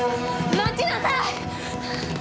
待ちなさいよ！